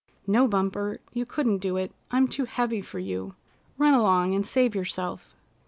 "No, Bumper, you couldn't do it. I'm too heavy for you. Run along and save yourself."